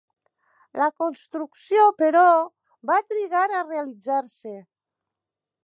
La construcció, però, va trigar a realitzar-se.